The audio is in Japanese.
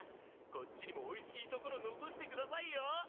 こっちにもおいしいところ残してくださいよ！